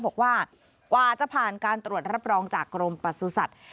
บอกว่ากว่าจะผ่านการตรวจรับรองจากกรมประสุทธิ์